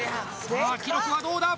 さあ記録はどうだ？